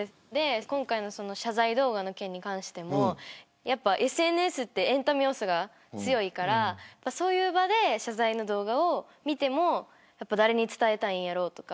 今回の謝罪動画の件に関してもＳＮＳってエンタメ要素が強いからそういう場で謝罪の動画を見ても誰に伝えたいんやろうとか。